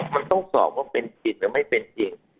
มันต้องสอบว่าเป็นผิดหรือไม่เป็นจริง